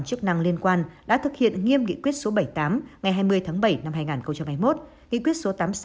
chức năng liên quan đã thực hiện nghiêm nghị quyết số bảy mươi tám ngày hai mươi tháng bảy năm hai nghìn hai mươi một nghị quyết số tám mươi sáu